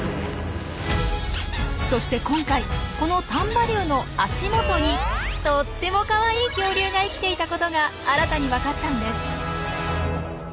そして今回この丹波竜の足元にとってもかわいい恐竜が生きていたことが新たに分かったんです。